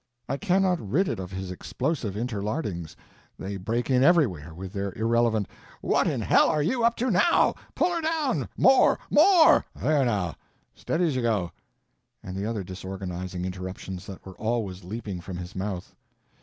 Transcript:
I cannot rid it of his explosive interlardings, they break in everywhere with their irrelevant, "What in hell are you up to now! pull her down! more! More!—there now, steady as you go," and the other disorganizing interruptions that were always leaping from his mouth.